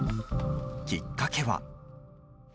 きっかけは。